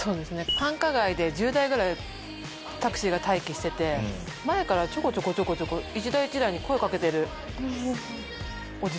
繁華街で１０台ぐらいタクシーが待機してて前からちょこちょこちょこちょこ一台一台に声かけてるおじさんがいるんですよ。